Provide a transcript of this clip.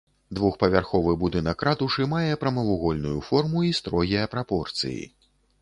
Двухпавярховы будынак ратушы мае прамавугольную форму і строгія прапорцыі.